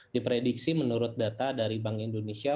diprediksi menurut data dari bank indonesia